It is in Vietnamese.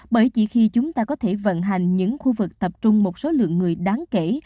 bởi chỉ khi chúng ta có thể vận hành những khu vực tập trung một số lượng người đáng kể